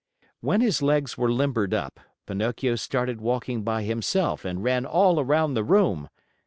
When his legs were limbered up, Pinocchio started walking by himself and ran all around the room.